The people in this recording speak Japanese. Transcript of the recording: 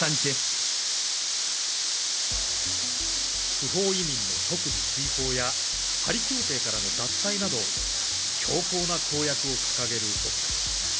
不法移民の即時追放やパリ協定からの脱退など強硬な公約を掲げるボックス。